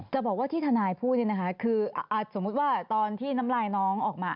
จะบอกว่าที่ทนายพูดสมมติว่าตอนที่น้ำลายน้องออกมา